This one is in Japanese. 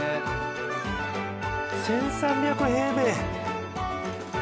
１３００平米！